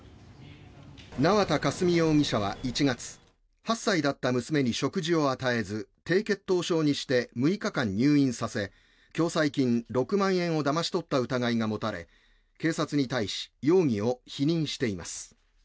縄田佳純容疑者は１月８歳だった娘に食事を与えず低血糖症にして６日間入院させ共済金６万円をだまし取った疑いが持たれ警察に対し容疑を否認しています。